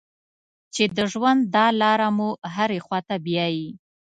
چې د ژوند دا لاره مو هرې خوا ته بیايي.